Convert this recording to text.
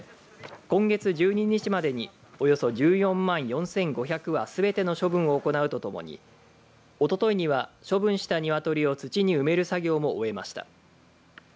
今月１２日までにおよそ１４万４５００羽すべての処分を行うとともにおとといには処分したニワトリを土に埋める作業も終えました。